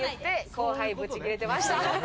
後輩、ブチ切れてました。